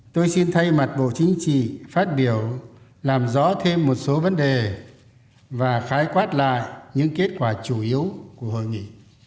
tôi xin thay mặt bộ chính trị phát biểu làm rõ thêm một số vấn đề và khái quát lại những kết quả chủ yếu của hội nghị